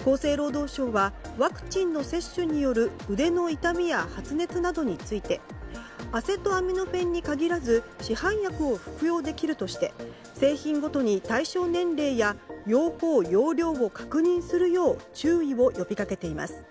厚生労働省はワクチンの接種による腕の痛みや発熱などについてアセトアミノフェンに限らず市販薬を服用できるとして製品ごとに対象年齢や用法・用量を確認するよう注意を呼び掛けています。